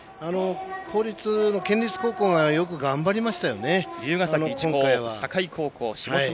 公立の県立高校がよく頑張りましたよね、今回は。